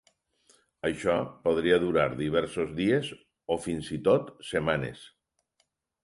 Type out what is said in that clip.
Això podria durar diversos dies o fins i tot setmanes.